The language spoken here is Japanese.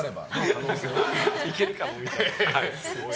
いけるかもみたいなね。